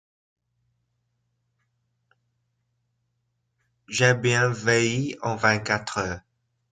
J’ai bien vieilli en vingt-quatre heures.